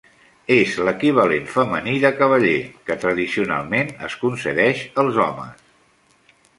És l'equivalent femení de cavaller, que tradicionalment es concedeix als homes.